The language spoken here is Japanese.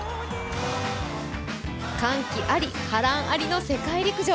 歓喜あり、波乱ありの世界陸上。